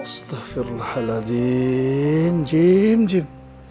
astaghfirullahaladzim jim jim